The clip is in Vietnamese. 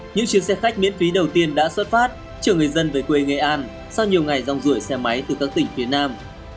những chuyến xe khách miễn phí đầu tiên đã xuất phát trở người dân về quê nghệ an sau nhiều ngày rong rủi xe máy từ các tỉnh phía nam